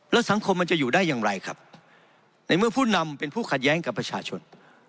แล้วสังคมมันจะอยู่ได้อย่างไรครับในเมื่อผู้นำเป็นผู้ขัดแย้งกับประชาชน